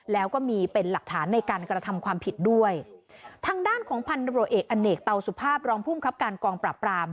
แล้วก็มีเป็นหลักฐานในการกระทำความผิดด้วยทางด้านของพันธุรกิจเอกอเนกเตาสุภาพรองภูมิครับการกองปราบราม